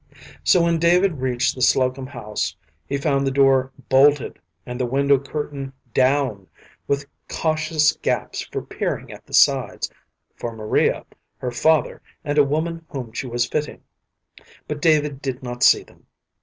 So when David reached the Slocum house he found the door bolted and the window curtain down, with cautious gaps for peering at the sides, for Maria, her father, and a woman whom she was fitting, but David did not see them.